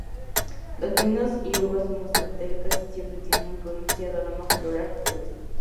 Los vinos y uvas moscatel casi siempre tienen un pronunciado aroma floral dulce.